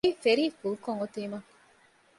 އެއީ ފެރީ ފުލްކޮށް އޮތީމަ